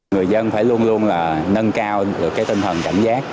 người dân phải luôn luôn là nâng cao được cái tinh thần cảnh giác